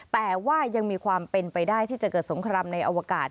แต่ว่ายังมีความเป็นไปได้ที่จะเกิดสงครามในอวกาศ